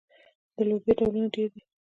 د لوبیا ډولونه ډیر دي.